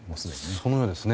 そのようですね。